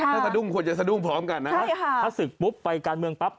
ถ้าสะดุ้งควรจะสะดุ้งพร้อมกันนะครับถ้าศึกปุ๊บไปการเมืองปั๊บ